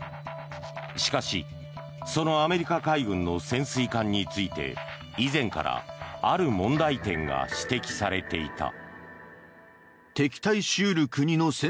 しかし、そのアメリカ海軍の潜水艦について以前からある問題点が指摘されていた。